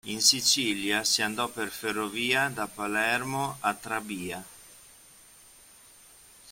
In Sicilia si andò per ferrovia da Palermo a Trabia.